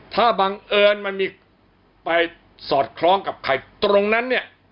ถ้าบังเอิญมันมีไปสอดคล้องกับใครตรงนั้นเนี่ย